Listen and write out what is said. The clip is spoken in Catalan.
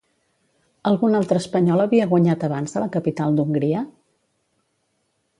Algun altre espanyol havia guanyat abans a la capital d'Hongria?